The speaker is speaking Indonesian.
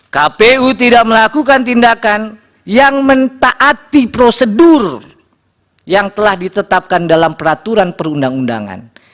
kpu tidak melakukan tindakan yang mentaati prosedur yang telah ditetapkan dalam peraturan perundang undangan